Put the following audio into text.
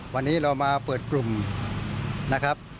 วันนี้เรามาเปิดกลุ่มนะครับ